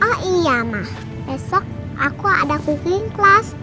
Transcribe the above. oh iya ma besok aku ada cooking class